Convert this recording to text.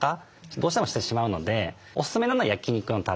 どうしてもしてしまうのでおすすめなのは焼肉のたれ。